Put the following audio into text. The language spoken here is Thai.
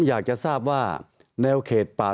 ตั้งแต่เริ่มมีเรื่องแล้ว